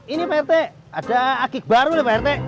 ini pak rete ada akik baru nih pak rete